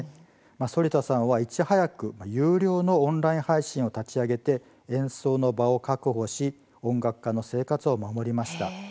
反田さんは、いち早く有料のオンライン配信を立ち上げて演奏の場を確保し音楽家の生活を守りました。